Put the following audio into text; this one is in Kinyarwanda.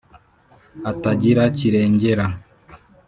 atagira kirengera.»